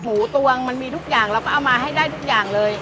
หูตวงมันมีทุกอย่างเราก็เอามาให้ได้ทุกอย่างเลย